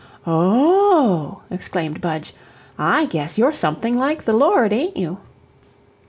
"Oh h h h h!" exclaimed Budge, "I guess you're something like the Lord, ain't you?"